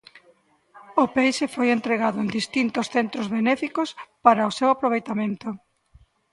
O peixe foi entregado en distintos centros benéficos para o seu aproveitamento.